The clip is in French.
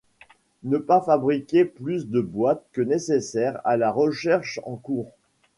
Ne pas fabriquer plus de boites que nécessaire à la recherche en cours.